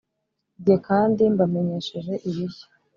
jye kandi mbamenyesheje ibishya,